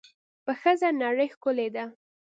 په ښځه نړۍ ښکلې ده.